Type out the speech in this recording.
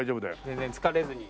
全然疲れずに。